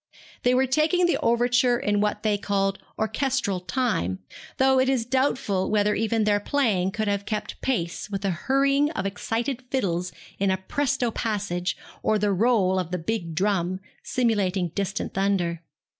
They were taking the overture in what they called orchestral time; though it is doubtful whether even their playing could have kept pace with the hurrying of excited fiddles in a presto passage, or the roll of the big drum, simulating distant thunder.